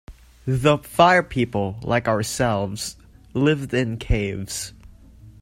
The Fire People, like ourselves, lived in caves.